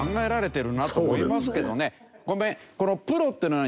ごめん。